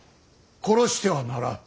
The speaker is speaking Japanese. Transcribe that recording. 殺してはならん。